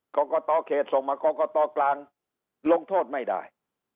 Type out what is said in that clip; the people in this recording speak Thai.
กรกตเขตส่งมากรกตกลางลงโทษไม่ได้